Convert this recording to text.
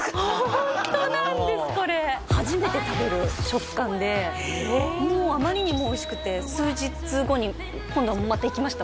ホントなんですこれ初めて食べる食感でへえもうあまりにもおいしくて数日後に今度また行きました